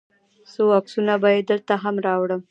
څو عکسونه به یې دلته هم راوړم.